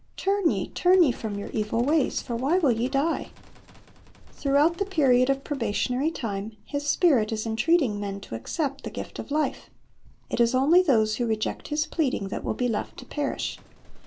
Turn ye, turn ye from your evil ways; for why will ye die?"^ Throughout the period of probationary time His Spirit is entreating men to accept the gift of life. It is only those who reject His pleading that will be left to perish.